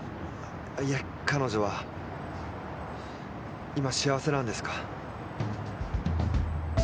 いえ彼女は今幸せなんですか？